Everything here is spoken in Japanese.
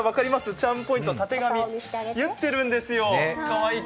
チャームポイント、たてがみ結ってるんですよ。